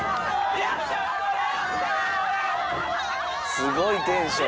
すごいテンション。